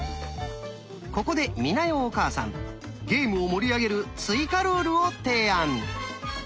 ここで美奈代お母さんゲームを盛り上げる追加ルールを提案。